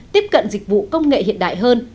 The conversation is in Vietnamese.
tiếp cận dịch vụ công nghệ hiện đại hơn